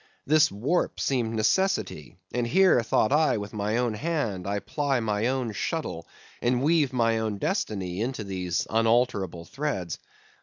This warp seemed necessity; and here, thought I, with my own hand I ply my own shuttle and weave my own destiny into these unalterable threads.